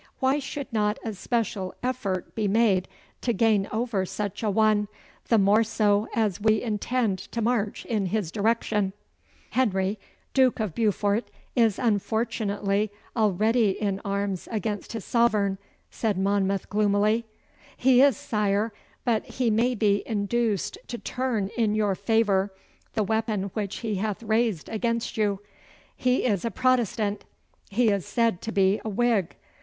Why should not a special effort be made to gain over such a one, the more so as we intend to march in his direction?' 'Henry, Duke of Beaufort, is unfortunately already in arms against his sovereign,' said Monmouth gloomily. 'He is, sire, but he may be induced to turn in your favour the weapon which he hath raised against you. He is a Protestant. He is said to be a Whig.